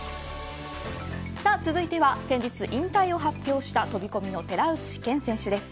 さあ続いては先日引退を発表した飛込の寺内健選手です。